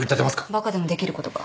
バカでもできることが。